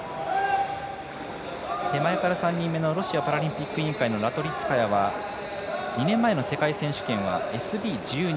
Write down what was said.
ロシアパラリンピック委員会のラトリツカヤは２年前の世界新記録はＳＢ１２。